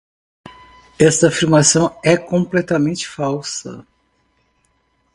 Esta afirmação é completamente falsa.